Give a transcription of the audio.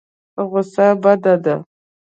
غوسه بده ده.